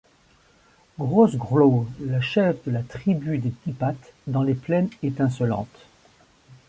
Grrothgrrowl, le chef de la tribu des Dix-pattes, dans les Plaine étincelantes.